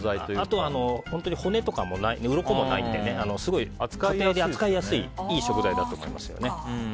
あとは本当に骨とかうろこもないのですごい家庭で扱いやすいいい食材だと思います。